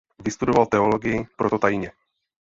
Vystudoval teologii proto tajně.